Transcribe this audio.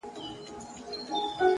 د هدف وضاحت فکر منظموي!